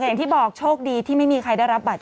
อย่างที่บอกโชคดีที่ไม่มีใครได้รับบาดเจ็บ